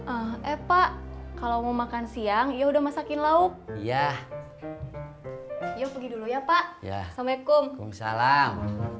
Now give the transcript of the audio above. eh pak kalau mau makan siang ya udah masakin lauk ya yuk pergi dulu ya pak ya assalamualaikum